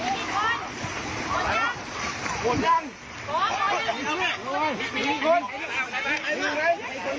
นี่มีคนก๋อมีกี่คน